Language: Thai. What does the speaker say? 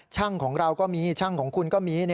ของเราก็มีช่างของคุณก็มี